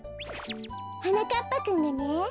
はなかっぱくんがね。